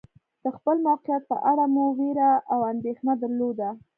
د خپل موقعیت په اړه مو وېره او اندېښنه درلوده.